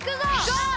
ゴー！